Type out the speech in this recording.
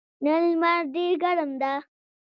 نن لمر ډېر ګرم ده.